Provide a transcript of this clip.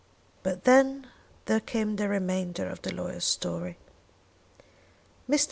But then there came the remainder of the lawyer's story. Mr.